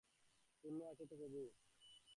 পুণ্য আছে তো প্রভু।